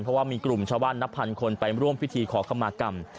เพราะว่ามีกลุ่มชาวบ้านนับพันคนไปร่วมพิธีขอคำมากรรม